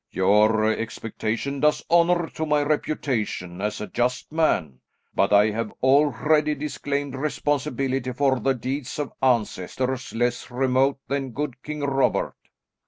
"Your expectation does honour to my reputation as a just man, but I have already disclaimed responsibility for the deeds of ancestors less remote than good King Robert."